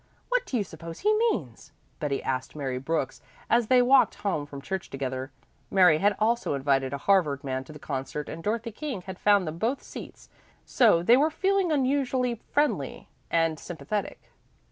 What do you suppose he means?" Betty asked Mary Brooks as they walked home from church together. Mary had also invited a Harvard man to the concert and Dorothy King had found them both seats, so they were feeling unusually friendly and sympathetic.